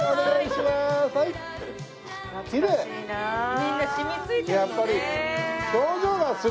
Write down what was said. みんな染みついてるのね。